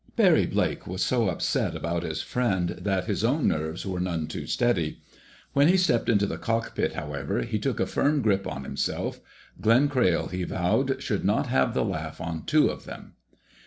Barry Blake was so upset about his friend that his own nerves were none too steady. When he stepped into the cockpit, however, he took a firm grip on himself. Glenn Crayle, he vowed, should not have the laugh on two of them.